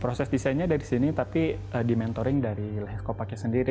proses desainnya dari sini tapi di mentoring dari lehcopaknya sendiri